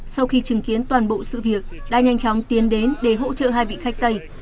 sau khi chứng kiến toàn bộ sự việc đã nhanh chóng tiến đến để hỗ trợ hai vị khách tây